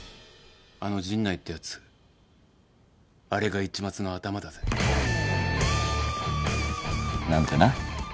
あの陣内ってやつあれが市松のアタマだぜ。なんてな。